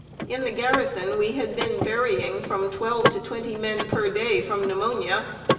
In the garrison we had been burying from twelve to twenty men per day, from pneumonia.